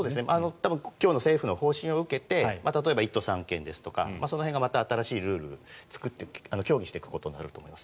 多分、今日の政府の方針を受けて例えば１都３県ですとかその辺が新しいルールを協議していくということになると思います。